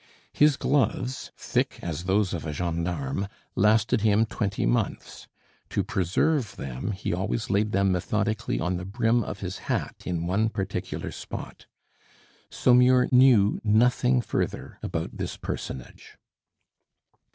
His gloves, thick as those of a gendarme, lasted him twenty months; to preserve them, he always laid them methodically on the brim of his hat in one particular spot. Saumur knew nothing further about this personage.